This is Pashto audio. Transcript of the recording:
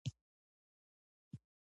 آیا الوتکې یې زړې نه دي؟